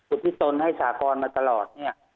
อุทิศตนให้สากรมาตลอดเนี่ย